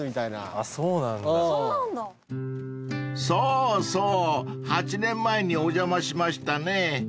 ［そうそう８年前にお邪魔しましたね］